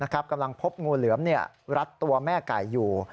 กำลังพบงูเหลือมรัดตัวแม่ไก่อยู่